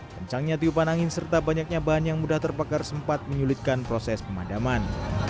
kencangnya tiupan angin serta banyaknya bahan yang mudah terbakar sempat menyulitkan proses pemadaman